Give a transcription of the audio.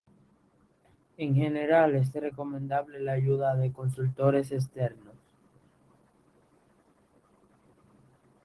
En general, es recomendable la ayuda de consultores externos.